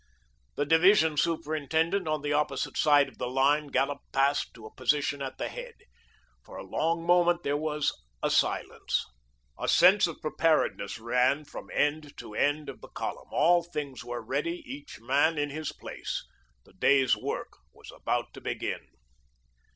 The division superintendent, on the opposite side of the line, galloped past to a position at the head. For a long moment there was a silence. A sense of preparedness ran from end to end of the column. All things were ready, each man in his place. The day's work was about to begin.